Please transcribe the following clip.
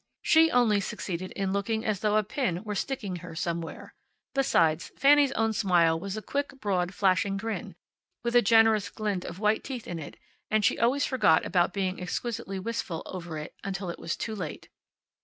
She only succeeded in looking as though a pin were sticking her somewhere. Besides, Fanny's own smile was a quick, broad, flashing grin, with a generous glint of white teeth in it, and she always forgot about being exquisitely wistful over it until it was too late.